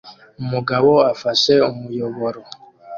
Umugabo afashe umuyoboro